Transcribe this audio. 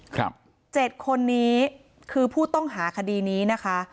เจ็ดคนนี้คือผู้ต้องหาคดีนี้นะคะ